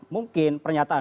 mungkin pernyataan berikutnya